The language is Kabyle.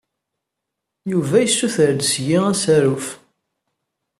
Yuba yessuter-d seg-i asaruf.